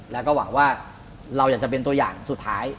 แล้วก็หวังว่าเราอยากจะเป็นตัวอย่างสุดท้าย